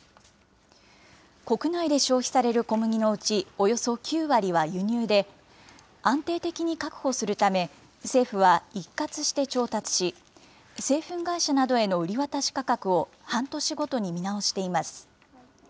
国内で消費される小麦のうち、およそ９割は輸入で、安定的に確保するため、政府は一括して調達し、製粉会社などへの売り渡し価格を半年ごとに見直しています。